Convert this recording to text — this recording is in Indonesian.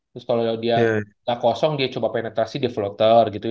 terus kalau dia nggak kosong dia coba penetrasi di floater gitu